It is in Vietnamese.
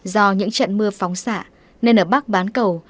do những trận mưa phóng xạ nên ở bắc bán cầu